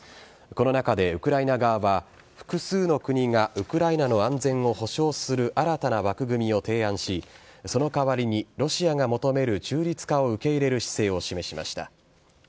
この中でウクライナ側は、複数の国がウクライナの安全を保証する新たな枠組みを提案し、そのかわりにロシアが求める中立化を受け入れる姿勢を示しました。